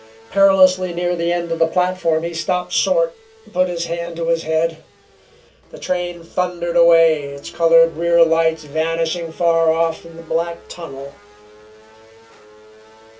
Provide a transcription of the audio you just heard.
Perilously near the end of the platform he stopped short and put his hand to his head. The train thundered away, its colored rear lights vanishing far off in the black tunnel.